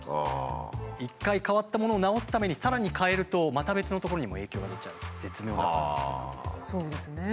一回変わったものを直すためにさらに変えるとまた別のところにも影響が出ちゃう絶妙なバランスなんですよね。